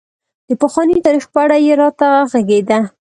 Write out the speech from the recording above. د پخواني تاريخ په اړه یې راته غږېده.